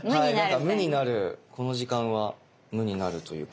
なんか無になるこの時間は無になるというか。